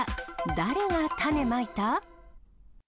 誰が種まいた？